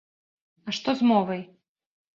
А што з мовай?!